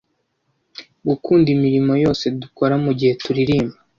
gukunda imirimo yose dukora mugihe turirimba